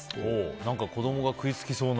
何か子供が食いつきそうな。